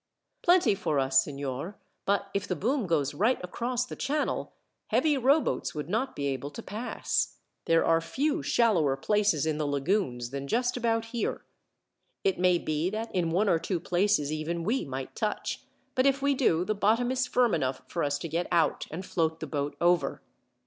"Plenty for us, signor; but if the boom goes right across the channel, heavy rowboats would not be able to pass. There are few shallower places in the lagoons than just about here. It may be that in one or two places even we might touch, but if we do, the bottom is firm enough for us to get out and float the boat over."